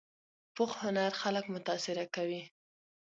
پوخ هنر خلک متاثره کوي